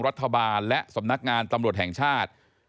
รัฐบาลและสำนักงานตำรวจแห่งชาติ